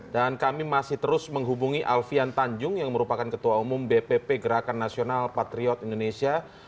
dan kami masih terus menghubungi alfian tanjung yang merupakan ketua umum bpp gerakan nasional patriot indonesia